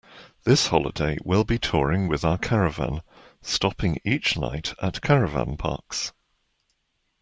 This holiday we’ll be touring with our caravan, stopping each night at caravan parks